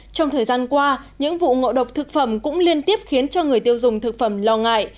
trong thời gian qua những vụ ngộ độc thực phẩm cũng liên tiếp khiến cho người tiêu dùng thực phẩm lo ngại